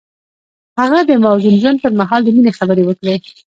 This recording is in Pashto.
هغه د موزون ژوند پر مهال د مینې خبرې وکړې.